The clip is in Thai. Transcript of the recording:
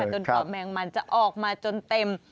จนกว่าแมงมันจะออกมาจนเต็ม